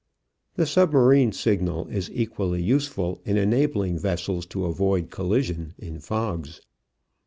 The submarine signal is equally useful in enabling vessels to avoid collision in fogs.